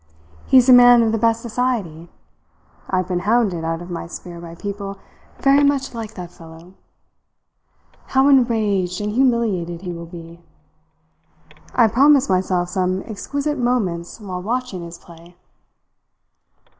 He's a man of the best society. I've been hounded out of my sphere by people very much like that fellow. How enraged and humiliated he will be! I promise myself some exquisite moments while watching his play."